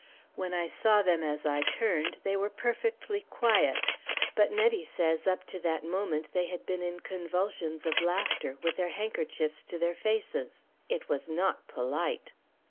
When I saw them as I turned, they were perfectly quiet; but Nettie says up to that moment they had been in convulsions of laughter, with their handkerchiefs to their faces. It was not polite!